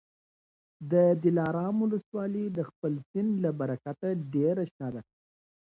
د دلارام ولسوالي د خپل سیند له برکته ډېره شنه ده.